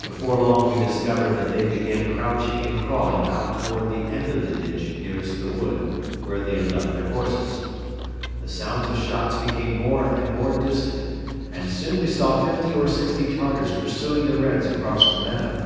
Before long we discovered that they began crouching and crawling out toward the end of the ditch nearest the wood where they had left their horses. The sounds of shots became more and more distant and soon we saw fifty or sixty Tartars pursuing the Reds across the meadow.